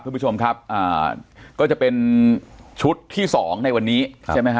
คุณผู้ชมครับอ่าก็จะเป็นชุดที่สองในวันนี้ใช่ไหมฮ